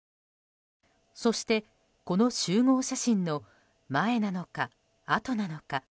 そして、この集合写真の前なのか、あとなのか。